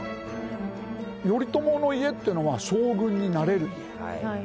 頼朝の家というのは将軍になれる家。